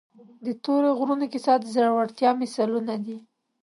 د تورې غرونو کیسې د زړورتیا مثالونه دي.